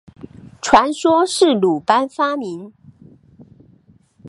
传说是鲁班发明。